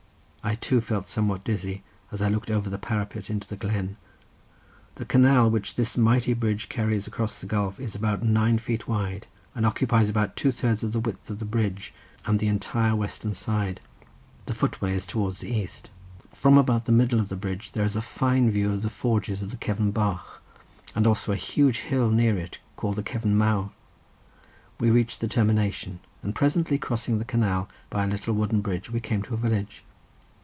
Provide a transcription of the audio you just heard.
I too felt somewhat dizzy, as I looked over the parapet into the glen. The canal which this mighty bridge carries across the gulf is about nine feet wide, and occupies about two thirds of the width of the bridge and the entire western side. The footway is towards the east. From about the middle of the bridge there is a fine view of the forges on the Cefn Bach and also of a huge hill near it called the Cefn Mawr. We reached the termination, and presently crossing the canal by a little wooden bridge we came to a village.